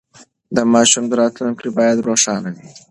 د ماشومانو راتلونکې باید روښانه وي.